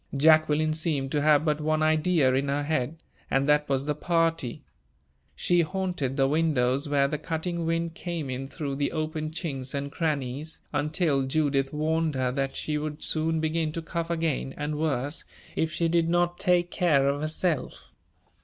Jacqueline seemed to have but one idea in her head, and that was the party. She haunted the windows where the cutting wind came in through the open chinks and crannies, until Judith warned her that she would soon begin to cough again, and worse, if she did not take care of herself.